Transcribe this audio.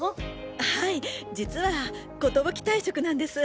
はい実は寿退職なんです！